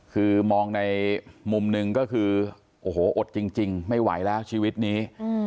คือมองในมุมหนึ่งก็คือโอ้โหอดจริงไม่ไหวแล้วชีวิตนี้